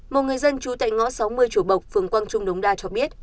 một người dân trú tại ngõ sáu mươi chùa bộc phường quang trung đống đa cho biết